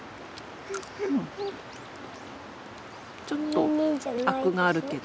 ちょっとアクがあるけど。